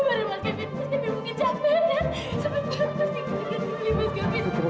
asma mungkin capek ya